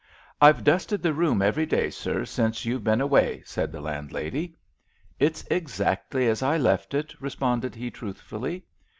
"I've dusted the room every day, sir, since you've been away," said the landlady. "It's exactly as I left it," responded he truthfully.